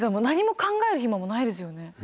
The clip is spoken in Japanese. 何も考える暇もないですよね。